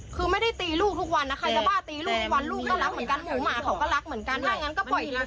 คือไม่ได้ตีลูกทุกวันนะใครจะบ้าตีลูกทุกวันลูกก็รักเหมือนกันหมูหมาเขาก็รักเหมือนกัน